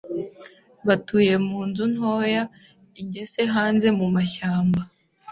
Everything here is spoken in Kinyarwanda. Batuye munzu ntoya, ingese hanze mumashyamba.